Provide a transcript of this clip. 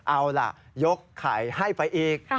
เอาล่ะยกไข่ให้ไปอีก